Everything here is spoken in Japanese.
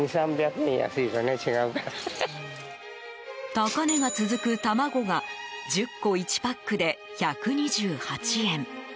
高値が続く卵が１０個１パックで１２８円